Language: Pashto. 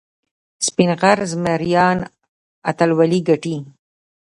سپین غر زمریان اتلولي ګټي.